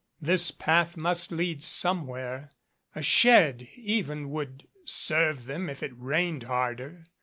This path must lead somewhere a shed even would serve them if it rained harder.